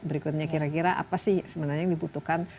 berikutnya kira kira apa sih sebenarnya yang dibutuhkan